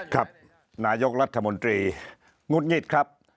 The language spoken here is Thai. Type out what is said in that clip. ครับนายกรัฐมนตรีงุดหงิดครับ